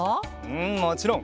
うんもちろん！